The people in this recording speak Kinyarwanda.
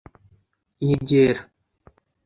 Nyegera